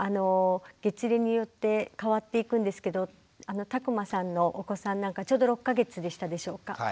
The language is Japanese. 月齢によって変わっていくんですけど田熊さんのお子さんなんかちょうど６か月でしたでしょうか。